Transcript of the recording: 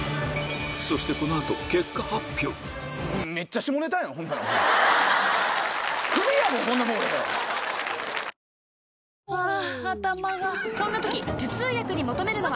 そしてハァ頭がそんな時頭痛薬に求めるのは？